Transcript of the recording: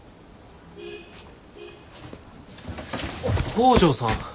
北條さん。